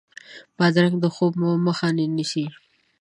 بادرنګ د خوب مخه نه نیسي.